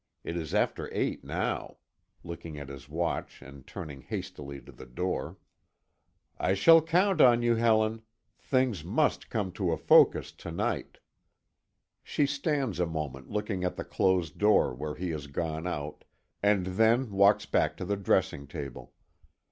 It is after eight now," looking at his watch and turning hastily to the door. "I shall count on you, Helen. Things must come to a focus to night." She stands a moment looking at the closed door where he has gone out, and then walks back to the dressing table.